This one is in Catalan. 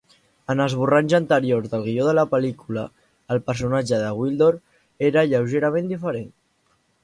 En esborranys anteriors del guió de la pel·lícula, el personatge de Gwildor era lleugerament diferent.